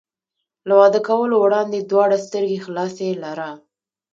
له واده کولو وړاندې دواړه سترګې خلاصې لره.